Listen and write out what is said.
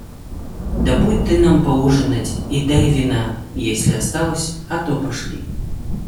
Добудь ты нам поужинать и дай вина, если осталось, а то пошли.